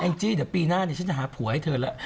จี้เดี๋ยวปีหน้านี่ฉันจะหาผัวให้เธอแล้ว